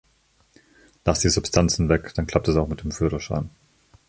Lass die Substanzen weg, dann klappt es auch mit dem Führerschein.